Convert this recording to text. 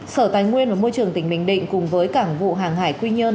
sở tài nguyên và môi trường tỉnh bình định cùng với cảng vụ hàng hải quy nhơn